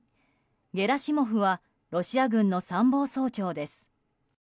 ゲラシモフはロシア軍の参謀総長です。